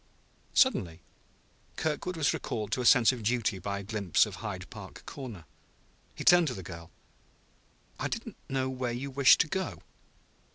Suddenly Kirkwood was recalled to a sense of duty by a glimpse of Hyde Park Corner. He turned to the girl. "I didn't know where you wished to go